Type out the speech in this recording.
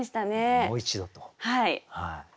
もう一度と。